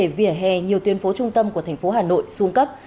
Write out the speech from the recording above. về vỉa hè nhiều tuyên phố trung tâm của thành phố hà nội xung cấp